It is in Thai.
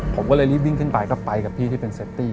ผมก็เลยรีบวิ่งขึ้นไปก็ไปกับพี่ที่เป็นเซฟตี้